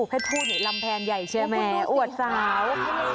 เพศผู้นี่รำแพลนใหญ่ใช่ไหมอวดสาว